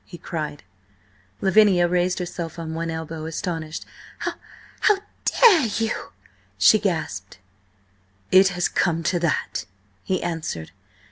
he cried. Lavinia raised herself on one elbow, astonished. "H how dare you?" she gasped. "It has come to that!" he answered.